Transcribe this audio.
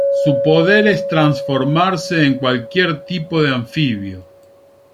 Su poder es transformarse en cualquier tipo de anfibio.